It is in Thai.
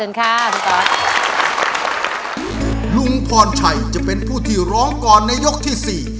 ลุงพรชัยจะเป็นผู้ที่ร้องก่อนในยกที่๔